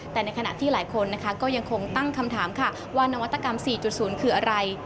แต่ในขณะที่หลายคนนะคะก็ยังคงตั้งคำถามค่ะว่านวัตกรรม๔๐คืออะไร